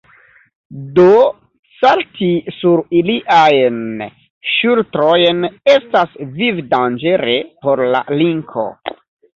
Do salti sur iliajn ŝultrojn estas vivdanĝere por la linko.